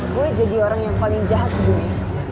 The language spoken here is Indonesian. gue jadi orang yang paling jahat di dunia